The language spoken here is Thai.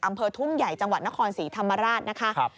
อำเภอทุ่งใหญ่จังหวัดนครศรีธรรมราชนะคะ